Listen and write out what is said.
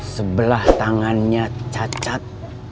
sebelah tangannya cacat